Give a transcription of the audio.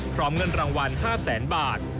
พร้อมเงินรางวัล๕๐๐๐๐๐บาท